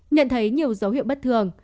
nhận thấy nhiều dấu hiệu bất thường